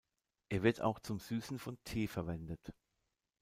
Er wird auch zum Süßen von Tee verwendet.